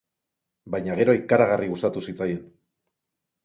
Baina gero ikaragarri gustatu zitzaien.